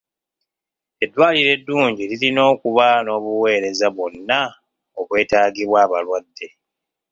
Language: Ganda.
Eddwaliro eddungi lirina okuba n'obuweereza bwonna obwetaagibwa abalwadde.